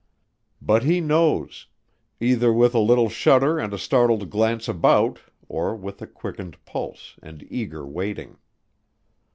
But he knows, either with a little shudder and a startled glance about or with quickened pulse and eager waiting.